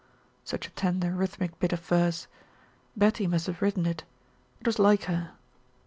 Such a tender, rhythmic bit of verse Betty must have written it. It was like her.